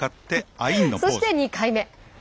そして２回目。